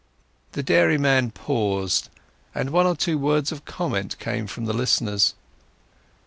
The dairyman paused, and one or two words of comment came from the listeners.